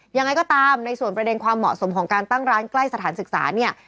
ยังไงก็ตามในส่วนประเด็นความเหมาะสมของการตั้งร้านใกล้สถานศึกษาเนี่ย